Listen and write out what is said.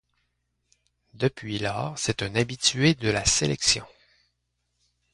Depuis lors, c'est un habitué de la sélection.